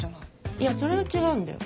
いやそれは違うんだよ